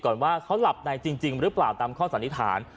ว่าเขาหลับในจริงหรือเปล่าตามข้อสันนิษฐาน